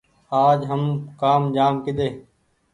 آج هم ڪآم جآم ڪيۮي